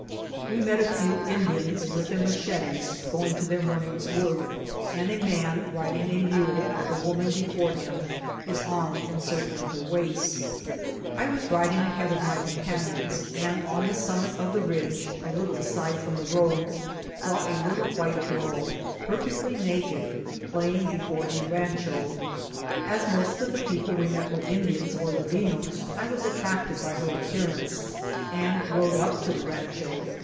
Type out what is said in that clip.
We met a few Indians, vnth their machetes, going to their morn ing's work, and a man riding a mule, with a woman before him, his arm encircling her waist. I was riding ahead of my companions, and on the summit of the ridge, a little aside from the road, saw a little white girl, perfectly naked, playing before a Vol. I.— H 58 INCIDSNT8 OP TRAVEL. rancho. As most of the people we met were Indians or Ladinos, I was attracted by her appearance, and rode up to the rancho.